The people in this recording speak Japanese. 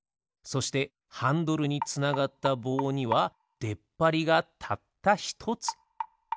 そしてハンドルにつながったぼうにはでっぱりがたったひとつ。